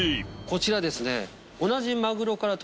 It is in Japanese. こちらですね。